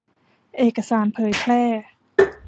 เอกสารเผยแพร่